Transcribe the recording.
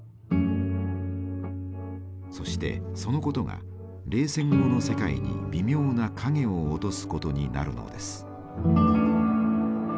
そしてそのことが冷戦後の世界に微妙な影を落とすことになるのです。